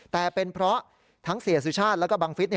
แต่เป็นเพราะทั้งเสียสุชาติแล้วก็บังฟิศ